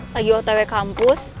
lagi otelnya kampus